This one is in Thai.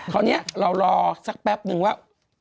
คราวนี้เรารอสักแป๊บนึงว่า